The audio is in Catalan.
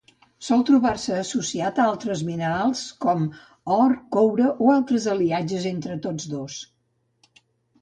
Sol trobar-se associat a altres minerals com: or, coure o altres aliatges entre tots dos.